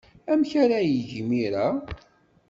Amek ara yeg imir-a?